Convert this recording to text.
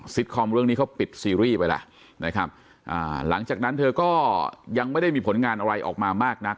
คอมเรื่องนี้เขาปิดซีรีส์ไปแล้วนะครับอ่าหลังจากนั้นเธอก็ยังไม่ได้มีผลงานอะไรออกมามากนัก